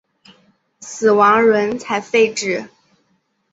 死亡轮才废止。